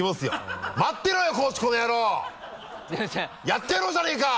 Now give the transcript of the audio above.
やってやろうじゃねぇか！